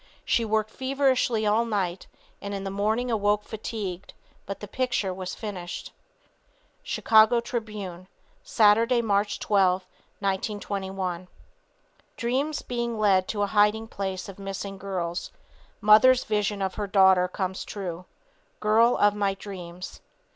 She worked feverishly all night, and in the morning awoke fatigued, but the picture was finished. Chicago Tribune, Saturday, March 12, 1921. Dreams being led to hiding place of missing girls. Mother's vision of her daughter comes true. Girl of my dreams.